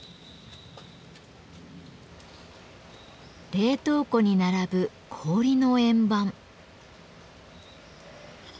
冷凍庫に並ぶ氷の円盤。